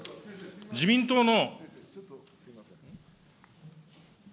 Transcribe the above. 自民党の。